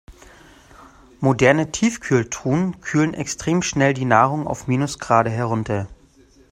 Moderne Tiefkühltruhen kühlen extrem schnell die Nahrung auf Minusgrade herunter.